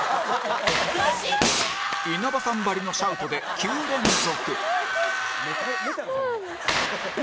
稲葉さんばりのシャウトで９連続